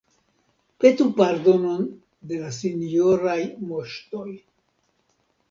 Petu pardonon de la sinjorinaj Moŝtoj.